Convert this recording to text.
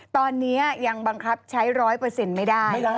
ตอนนี้ยังบังคับใช้ร้อยเปอร์เซ็นต์ไม่ได้